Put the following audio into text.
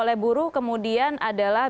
oleh buruh kemudian adalah